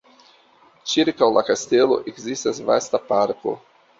Ĉirkaŭ la kastelo ekzistas vasta parko.